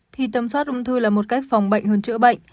thì tầm soát ung thư là một cách phòng bệnh hơn chữa bệnh